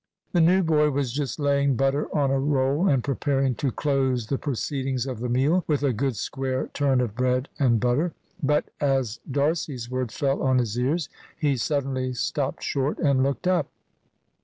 The new boy was just laying butter on a roll, and preparing to close the proceedings of the meal with a good square turn of bread and butter. But as D'Arcy's words fell on his ears he suddenly stopped short and looked up.